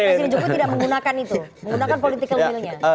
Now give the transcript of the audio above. presiden jokowi tidak menggunakan itu menggunakan political will nya